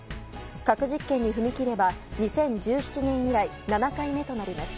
核実験に踏み切れば２０１７年以来７回目となります。